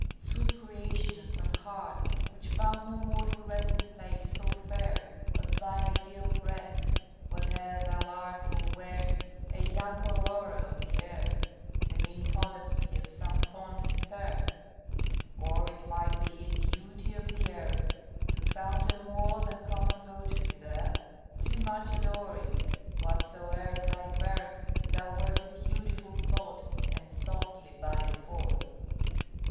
sweet creation of some heart Which found no mortal resting place so fair As thine ideal breast; whate'er thou art Or wert, a young Aurora of the air, The nympholepsy of some fond despair; Or, it might be, a beauty of the earth, Who found a more than common votary there Too much adoring; whatsoe'er thy birth, Thou wert a beautiful thought, and softly bodied forth.